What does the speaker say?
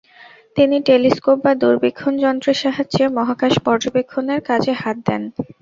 তিনি টেলিস্কোপ বা দূরবীক্ষণ যন্ত্রের সাহায্যে মহাকাশ পর্যবেক্ষণের কাজে হাত দেন।